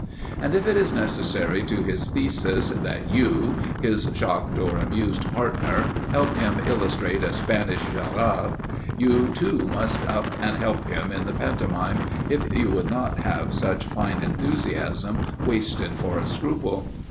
And if it is necessary to his thesis that you, his shocked or amused partner, help him illustrate a Spanish jerabe, you too must up and help him in the pantomime if you would not have such fine enthusiasm wasted for a scruple.